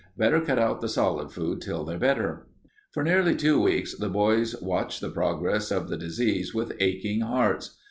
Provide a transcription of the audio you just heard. Better cut out the solid food till they're better." For nearly two weeks the boys watched the progress of the disease with aching hearts.